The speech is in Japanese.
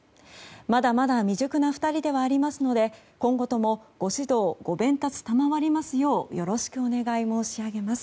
まだまだ未熟な２人ではありますので今後ともご指導ご鞭撻、賜りますようよろしくお願い申し上げます。